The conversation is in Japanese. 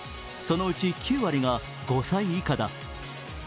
そのうち９割が５歳以下だ。